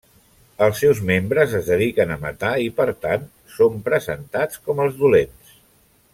Els seus membres es dediquen a matar i, per tant, són presentats com els dolents.